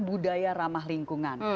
budaya ramah lingkungan